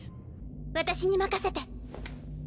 私に任せて。